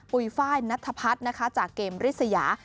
ปุยฝ่ายณัฐพัฒน์จากเกมริษยา